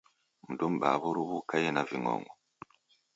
Mndu m'baa w'oruw'u ukaiee na ving'ong'o?